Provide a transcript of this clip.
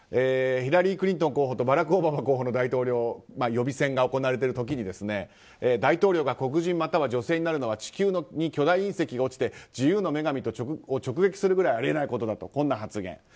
ヒラリー・クリントン候補とバラク・オバマ候補の大統領予備選が行われている時に大統領が黒人または女性になるのは地球に巨大隕石が落ちて自由の女神を直撃するくらいあり得ないことだという発言。